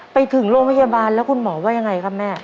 ไปถึงโรงพยาบาลแล้วคุณหมอว่ายังไงครับแม่